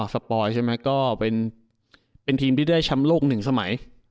อ๋อสปอยใช่ไหมก็เป็นทีมที่ได้ช้ำโลกหนึ่งสมัย